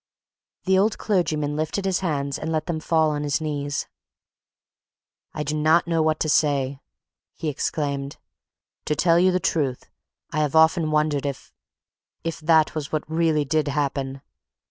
The old clergyman lifted his hands and let them fall on his knees. "I do not know what to say!" he exclaimed. "To tell you the truth, I have often wondered if if that was what really did happen.